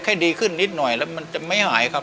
ให้ดีขึ้นนิดหน่อยแล้วมันจะไม่หายครับ